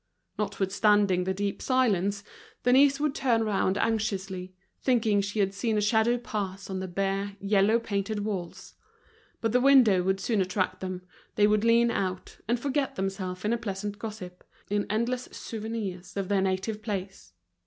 Notwithstanding the deep silence, Denise would turn round anxiously, thinking she had seen a shadow pass on the bare, yellow painted walls. But the window would soon attract them, they would lean out, and forget themselves in a pleasant gossip, in endless souvenirs of their native place.